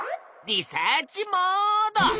リサーチモード！